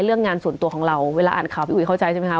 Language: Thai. เรื่องงานส่วนตัวของเราเวลาอ่านข่าวพี่อุ๋ยเข้าใจใช่ไหมคะ